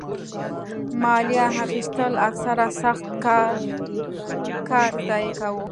مالیه اخیستل اکثره سخت کال کار ضایع کاوه.